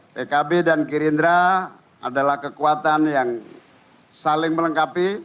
pkb dan gerindra adalah kekuatan yang saling melengkapi